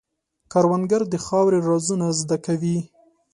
کروندګر د خاورې رازونه زده کوي